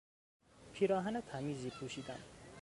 پیراهن تمیزی پوشیدم.